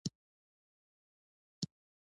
د بدخشان په جرم کې د لاجوردو لوی کان دی.